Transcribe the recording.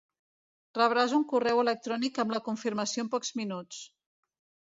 Rebràs un correu electrònic amb la confirmació en pocs minuts.